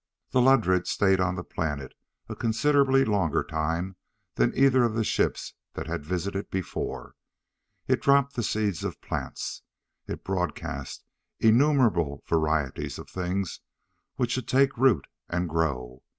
The Ludred stayed on the planet a considerably longer time than either of the ships that had visited it before. It dropped the seeds of plants. It broadcast innumerable varieties of things which should take root and grow.